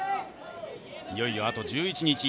いよいよあと１１日。